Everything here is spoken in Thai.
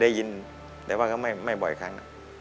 ได้ยินแต่ว่าก็ไม่บ่อยครั้ง